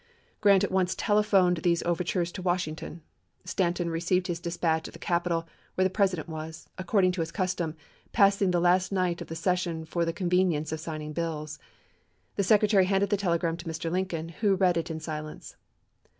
Grant at once telegraphed these overtures to Washington. Stanton received his dispatch at the Capitol, where the President was, according to his custom, passing the last night of the session for the convenience of signing bills. The Secretary handed the telegram to Mr. Lincoln, who read it in silence.